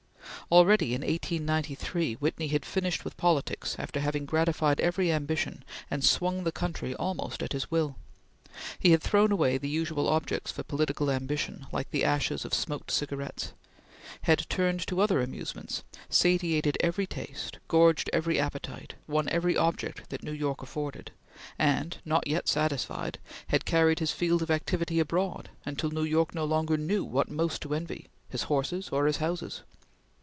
Already in 1893 Whitney had finished with politics after having gratified every ambition, and swung the country almost at his will; he had thrown away the usual objects of political ambition like the ashes of smoked cigarettes; had turned to other amusements, satiated every taste, gorged every appetite, won every object that New York afforded, and, not yet satisfied, had carried his field of activity abroad, until New York no longer knew what most to envy, his horses or his houses.